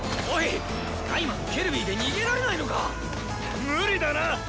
おい使い魔の水馬で逃げられないのか⁉無理だな！